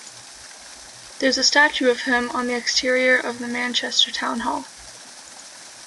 There is a statue of him on the exterior of the Manchester town hall.